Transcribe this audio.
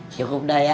cukup dah ya